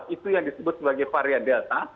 itu yang disebut sebagai varian delta